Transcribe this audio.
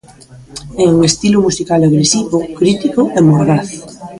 É un estilo musical agresivo, crítico e mordaz.